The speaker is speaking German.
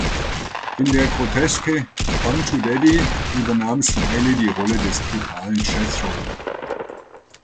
In der Groteske "Come to Daddy" übernahm Smiley die Rolle des brutalen "Jethro".